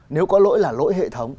nếu có lỗi là lỗi hệ thống